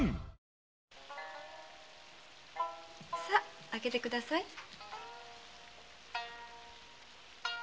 さ空けてください。